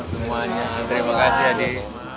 semuanya terima kasih ya dito